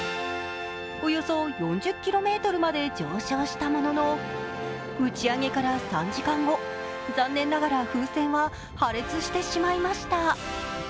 およそ４０ｋｍまで上昇したものの、打ち上げから３時間後、残念ながら風船は破裂してしまいました。